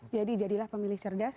jadi jadilah pemilih cerdas